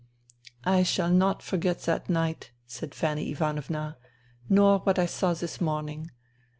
..." I shall not forget that night," said Fanny Ivanovna, " nor what I saw this morning.